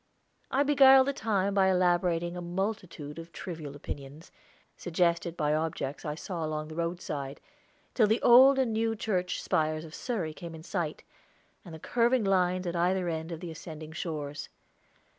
I beguiled the time by elaborating a multitude of trivial opinions, suggested by objects I saw along the roadside, till the old and new church spires of Surrey came in sight, and the curving lines at either end of the ascending shores.